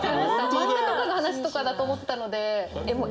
漫画とかの話とかだと思ってたので。